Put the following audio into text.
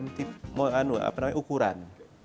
mereka memiliki banyak ukuran